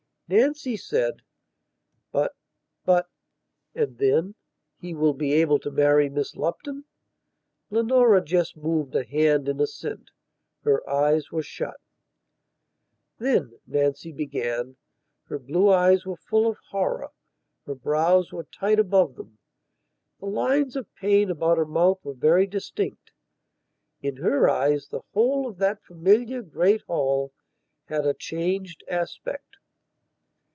Nancy said: "But... but..." and then: "He will be able to marry Miss Lupton." Leonora just moved a hand in assent. Her eyes were shut. "Then..." Nancy began. Her blue eyes were full of horror: her brows were tight above them; the lines of pain about her mouth were very distinct. In her eyes the whole of that familiar, great hall had a changed aspect.